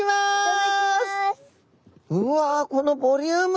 うわこのボリューム！